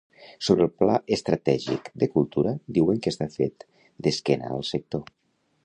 Sobre el pla estratègic de cultura, diuen que està fet d’esquena al sector.